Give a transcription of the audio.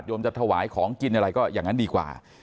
อย่างนั้นดีกว่า